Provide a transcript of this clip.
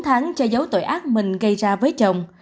bốn tháng cho dấu tội ác mình gây ra với chồng